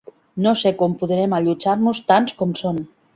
No sé com podrem allotjar-nos tants com som!